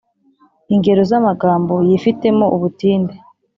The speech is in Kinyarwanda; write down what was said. Ingero z’amagambo yifitemo ubutinde :